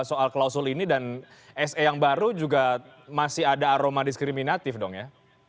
soal klausul ini dan se yang baru juga masih ada aroma diskriminatif dong ya